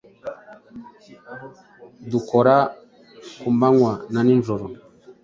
dukora ku manywa na nijoro,